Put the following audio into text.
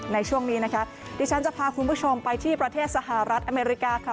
ในช่วงนี้นะคะดิฉันจะพาคุณผู้ชมไปที่ประเทศสหรัฐอเมริกาค่ะ